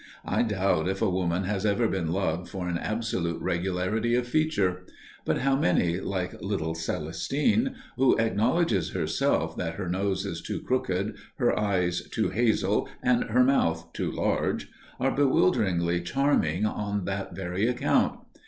I doubt if a woman has ever been loved for an absolute regularity of feature; but how many, like little Celestine, who acknowledges herself that her nose is too crooked, her eyes too hazel, and her mouth too large, are bewilderingly charming on that very account!